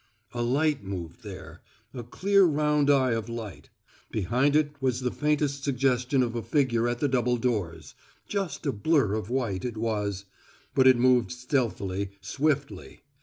A light moved there a clear round eye of light. Behind it was the faintest suggestion of a figure at the double doors just a blur of white, it was; but it moved stealthily, swiftly.